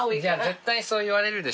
絶対そう言われるでしょだって。